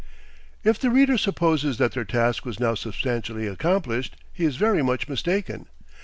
If the reader supposes that their task was now substantially accomplished, he is very much mistaken.